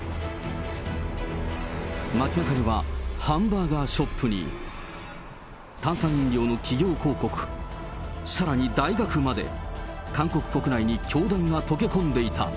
街なかには、ハンバーガーショップに、炭酸飲料の企業広告、さらに大学まで、韓国国内に教団が溶け込んでいた。